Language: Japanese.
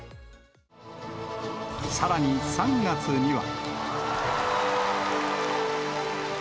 さらに、３月には。